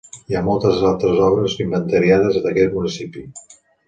Hi ha moltes altres obres inventariades d'aquest municipi.